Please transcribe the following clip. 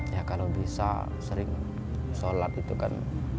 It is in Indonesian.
ya kalau bisa sering sholat itu kan